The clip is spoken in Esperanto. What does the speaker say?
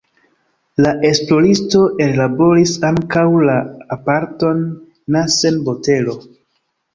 La esploristo ellaboris ankaŭ la aparaton Nansen-botelo.